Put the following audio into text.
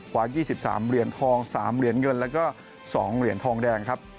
๒๓เหรียญทอง๓เหรียญเงินแล้วก็๒เหรียญทองแดงครับ